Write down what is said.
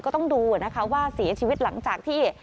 ก็ต้องดูนะคะว่าเสียชีวิตหลังจากที่